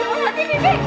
jangan mati bibi